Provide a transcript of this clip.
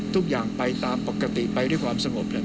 ทุกอย่างไปตามปกติไปด้วยความสงบ